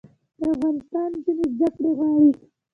د افغانستان نجونې زده کړې غواړي